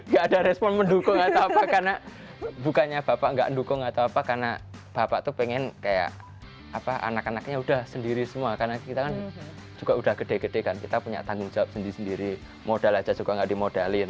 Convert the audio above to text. gak ada respon mendukung atau apa karena bukannya bapak nggak mendukung atau apa karena bapak tuh pengen kayak anak anaknya udah sendiri semua karena kita kan juga udah gede gede kan kita punya tanggung jawab sendiri sendiri modal aja juga nggak dimodalin